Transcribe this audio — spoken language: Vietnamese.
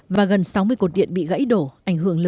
và gần sáu mươi cột điện bị gãy đổ